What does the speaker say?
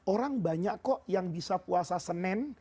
orang banyak kok yang bisa puasa senin